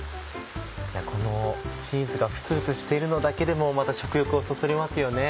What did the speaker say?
このチーズがフツフツしているのだけでもまた食欲をそそりますよね。